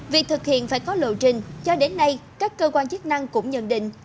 việc thực hiện phải có lộ trình cho đến nay các cơ quan chức năng cũng nhận định